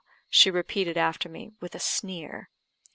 she repeated after me, with a sneer.